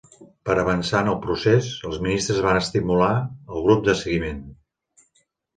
Per avançar en el procés, els ministres van estimular el grup de seguiment